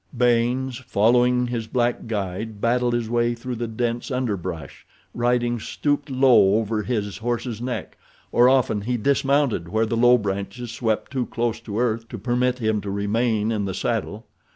Baynes, following his black guide, battled his way through the dense underbrush, riding stooped low over his horse's neck, or often he dismounted where the low branches swept too close to earth to permit him to remain in the saddle.